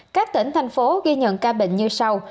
các tỉnh thành phố ghi nhận ca bệnh như sau